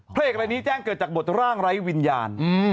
พระเอกอะไรนี้แจ้งเกิดจากบทร่างไร้วิญญาณ